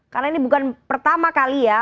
karena ini bukan pertama kali ya